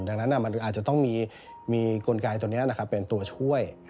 ดังนั้นมันอาจจะต้องมีกลไกตัวนี้เป็นตัวช่วย